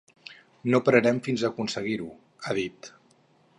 No pararem fins a aconseguir-ho, ha dit.